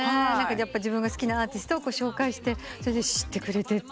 自分が好きなアーティストを紹介してそれで知ってくれて。